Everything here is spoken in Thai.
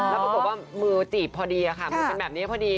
แล้วปรากฏว่ามือจีบพอดีค่ะมือเป็นแบบนี้พอดี